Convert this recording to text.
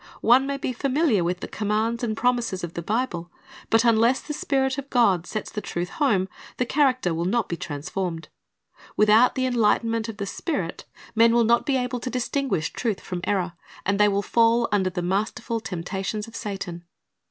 One may be familiar with the commands and promises of the Bible; but unless the Spirit of God sets the truth home, the character will not be transformed. Without the enlightenment of the Spirit, men will not be able to ' Zech. 4 : 1 14 2 2ecli.4:6 ''To Meet the Bridegroom'' 411 distinguish truth from error, and they will fall under the masterful temptations of Satan.